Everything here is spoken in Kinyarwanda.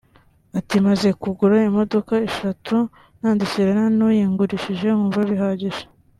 Ati “Maze kugura imodoka eshatu nandikirana n’uyingurishije nkumva bihagije